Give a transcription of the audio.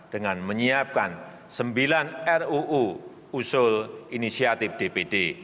dengan menyiapkan sembilan ruu usul inisiatif dpd